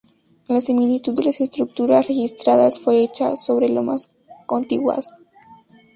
La similitud de las estructuras registradas fue hecha sobre lomas contiguas.